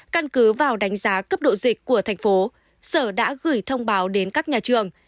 căn cứ vào đánh giá cấp độ dịch của thành phố sở đã gửi thông báo đến các nhà trường